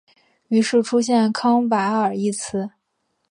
于是出现康瓦尔一词。